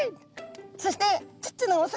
そしてちっちゃなお魚のち